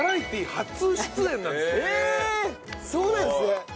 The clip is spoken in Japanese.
そうなんですね。